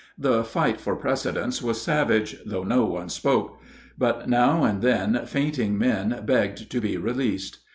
The fight for precedence was savage, though no one spoke; but now and then fainting men begged to be released.